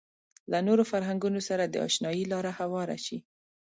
له نورو فرهنګونو سره د اشنايي لاره هواره شي.